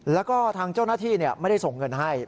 แล้วก็ทางเจ้าหน้าที่ไม่ได้ส่งเงินให้